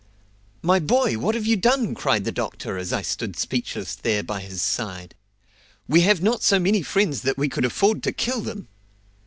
"My boy, what have you done?" cried the doctor, as I stood speechless there by his side. "We have not so many friends that we could afford to kill them."